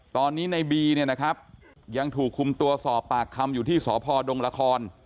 ตอนนี้ในบียังถูกคุมตัวสอบปากคำอยู่ที่สอบพอดงละคร